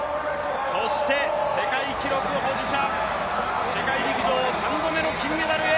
そして世界記録保持者、世界陸上３度目の金メダルへ。